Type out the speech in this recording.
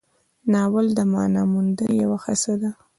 ناول د معنا موندنې یوه هڅه وه.